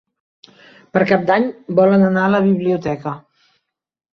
Per Cap d'Any volen anar a la biblioteca.